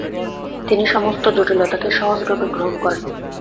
তিনি সমস্ত জটিলতাকে সহজভাবে গ্রহণ করেন।